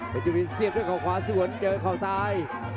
เป็นจุวินเสียบด้วยเขาขวาสวนเจอเขาซ้าย